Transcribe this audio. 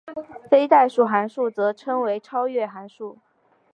非代数函数则称为超越函数。